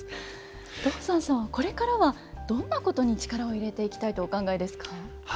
道山さんはこれからはどんなことに力を入れていきたいとお考えですか？